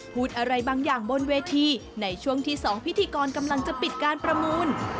พูดอะไรบางอย่างบนเวทีในช่วงที่๒พิธีกรกำลังจะปิดการประมูล